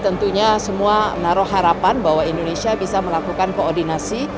tentunya semua menaruh harapan bahwa indonesia bisa melakukan koordinasi